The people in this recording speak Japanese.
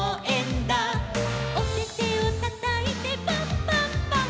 「おててをたたいてパンパンパン」